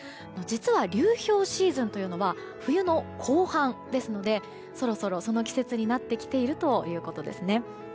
実は流氷シーズンというのは冬の後半ですのでそろそろ、その季節になってきているということです。